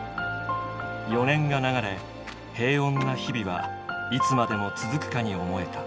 ４年が流れ平穏な日々はいつまでも続くかに思えた。